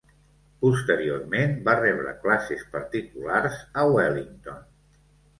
Posteriorment va rebre classes particulars a Wellington.